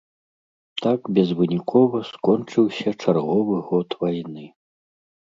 Так безвынікова скончыўся чарговы год вайны.